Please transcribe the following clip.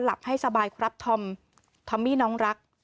หลับให้สบายครับธอมทอมมี่น้องรัก